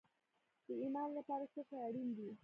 د ایمان لپاره څه شی اړین دی؟